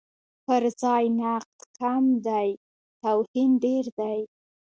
پرځای نقد کم دی، توهین ډېر دی.